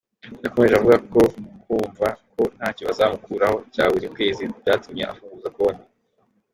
Yakomeje avuga ko kumva ko ntacyo bazamukuraho cya buri kwezi byatumye afunguza konti.